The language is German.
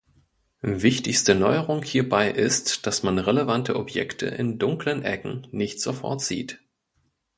Wichtigste Neuerung hierbei ist, dass man relevante Objekte in dunklen Ecken nicht sofort sieht.